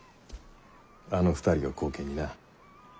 あの２人を後見にな。